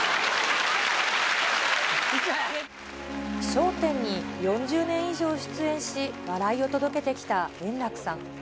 笑点に４０年以上出演し、笑いを届けてきた円楽さん。